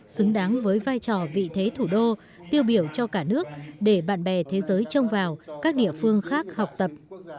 xứng đáng với vai trò vị thế thủ đô tiêu biểu cho cả nước để bạn bè thế giới trông vào các địa phương khác học tập